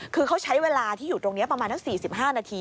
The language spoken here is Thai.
คือเขาใช้เวลาที่อยู่ตรงนี้ประมาณทั้ง๔๕นาที